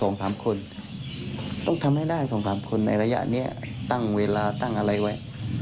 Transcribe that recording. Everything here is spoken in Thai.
สามคนต้องทำให้ได้สองสามคนในระยะเนี้ยตั้งเวลาตั้งอะไรไว้